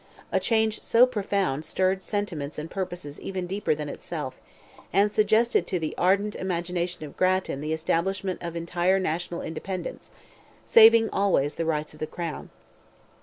A change so profound stirred sentiments and purposes even deeper than itself, and suggested to the ardent imagination of Grattan the establishment of entire national independence, saving always the rights of the crown.